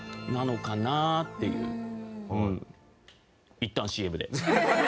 いったんＣＭで。